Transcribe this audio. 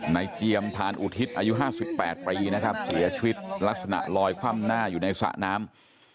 เจียมทานอุทิศอายุ๕๘ปีนะครับเสียชีวิตลักษณะลอยคว่ำหน้าอยู่ในสระน้ำ